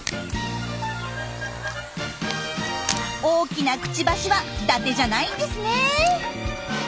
大きなクチバシはだてじゃないんですね！